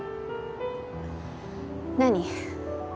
何？